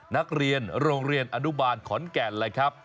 นักเรียนโรงเรียนอนุบาลขอนแก่นเลยครับ